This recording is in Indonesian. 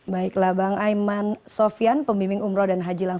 baiklah bang aiman sofian pembimbing umroh dan haji